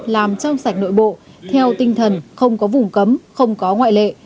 làm trong sạch nội bộ theo tinh thần không có vùng cấm không có ngoại lệ